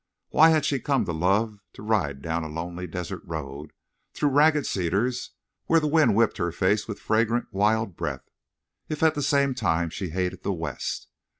Why had she come to love to ride down a lonely desert road, through ragged cedars where the wind whipped her face with fragrant wild breath, if at the same time she hated the West?